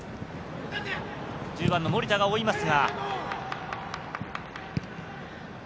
１０番の森田が追いますが。